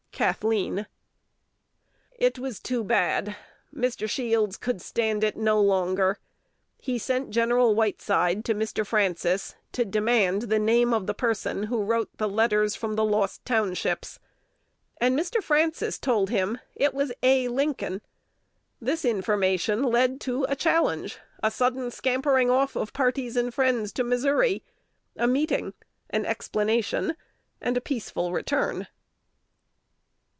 Cathleen. It was too bad. Mr. Shields could stand it no longer. He sent Gen. Whiteside to Mr. Francis, to demand the name of the person who wrote the letters from the "Lost Townships;" and Mr. Francis told him it was A. Lincoln. This information led to a challenge, a sudden scampering off of parties and friends to Missouri, a meeting, an explanation, and a peaceful return.